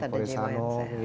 ada jema yang sehat